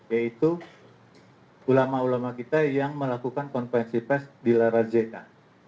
yaitu ulama ulama kita yang melakukan konferensi pes di lara zeka